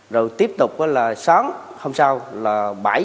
rồi tiếp tục là sáng hôm sau là bảy giờ